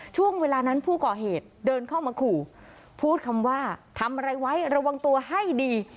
ช่วงเวลานั้นผู้ก่อเหตุเดินเข้ามาขู่พูดคำว่าทำอะไรไว้ระวังตัวให้ดี